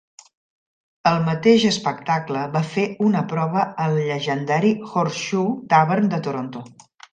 El mateix espectacle va fer una prova al llegendari Horseshoe Tavern de Toronto.